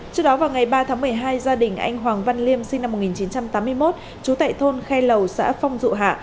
trước đó vào ngày ba tháng một mươi hai gia đình anh hoàng văn liêm sinh năm một nghìn chín trăm tám mươi một trú tại thôn khe lầu xã phong dụ hạ